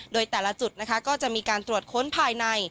โดยแต่ละจุดนะคะก็จะมีการตรวจค้นภายใน